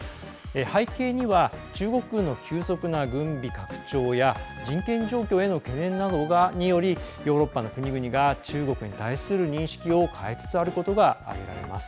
背景には中国の急速な軍備拡張やヨーロッパの国々が中国に対する認識を変えつつあることを挙げられます。